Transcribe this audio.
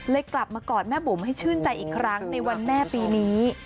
กลับมากอดแม่บุ๋มให้ชื่นใจอีกครั้งในวันแม่ปีนี้